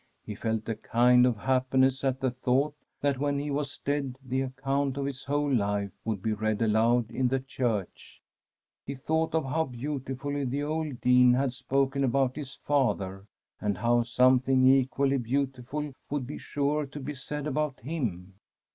He felt a kind of happiness at the thought that when he was dead the account of his whole life would be read aloud in the church. He thought of how beautifully the old Dean had spoken about his father, and how something equally beautiful would be sure to be said about him.